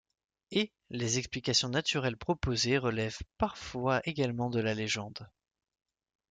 Et, les explications naturelles proposées relèvent parfois également de la légende…